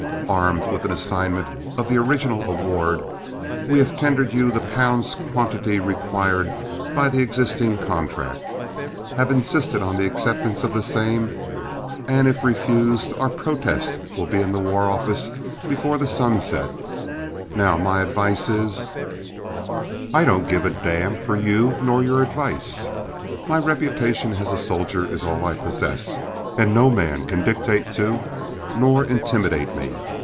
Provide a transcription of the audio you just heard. Armed with an assignment of the original award, we have tendered you the pounds quantity required by the existing contract, have insisted on the acceptance of the same, and if refused, our protest will be in the War Office before that sun sets. Now, my advice is " "I don't give a damn for you nor your advice. My reputation as a soldier is all I possess, and no man can dictate to nor intimidate me.